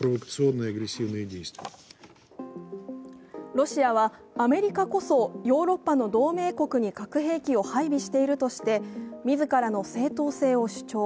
ロシアは、アメリカこそヨーロッパの同盟国に核兵器を配備しているとして、自らの正当性を主張。